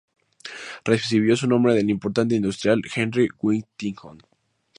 Recibió su nombre del importante industrial Henry Huntington.